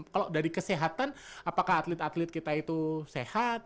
kalau dari kesehatan apakah atlet atlet kita itu sehat